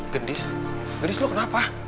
gendis gendis lu kenapa